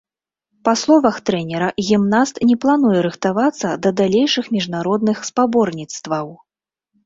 Па словах трэнера, гімнаст не плануе рыхтавацца да далейшых міжнародных спаборніцтваў.